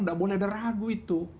tidak boleh ada ragu itu